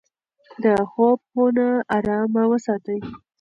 د خوب خونه ارامه وساتئ.